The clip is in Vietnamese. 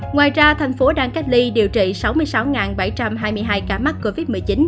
ngoài ra thành phố đang cách ly điều trị sáu mươi sáu bảy trăm hai mươi hai ca mắc covid một mươi chín